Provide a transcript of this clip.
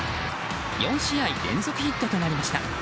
４試合連続ヒットとなりました。